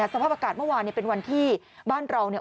สภาพอากาศเมื่อวานเป็นวันที่บ้านเรา